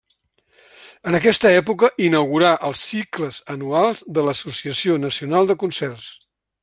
En aquesta època inaugurà els cicles anuals de l'Associació Nacional de Concerts.